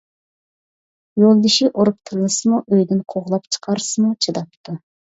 يولدىشى ئۇرۇپ تىللىسىمۇ ئۆيدىن قوغلاپ چىقارسىمۇ چىداپتۇ.